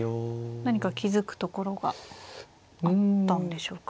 何か気付くところがあったんでしょうか。